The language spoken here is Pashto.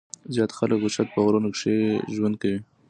زيات خلک اوچت پۀ غرونو کښې ژوند کوي ـ